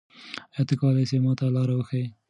آیا ته کولای سې ما ته لاره وښیې؟